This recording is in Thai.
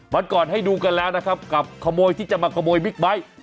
วันก่อนให้ดูกันแล้วนะครับกับขโมยที่จะมาขโมยบิ๊กไบท์